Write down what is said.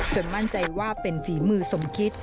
มั่นใจว่าเป็นฝีมือสมคิด